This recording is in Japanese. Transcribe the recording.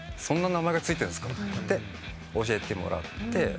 そんな名前が付いてんすか？」って教えてもらって。